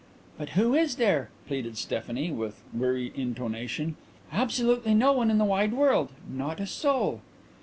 "But who is there?" pleaded Stephanie, with weary intonation. "Absolutely no one in the wide world. Not a soul."